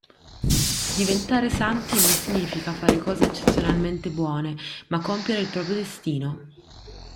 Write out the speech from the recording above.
Diventare santi non significa fare cose eccezionalmente buone, ma compiere il proprio destino.